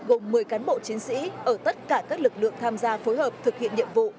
gồm một mươi cán bộ chiến sĩ ở tất cả các lực lượng tham gia phối hợp thực hiện nhiệm vụ